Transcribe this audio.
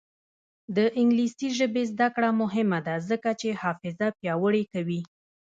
د انګلیسي ژبې زده کړه مهمه ده ځکه چې حافظه پیاوړې کوي.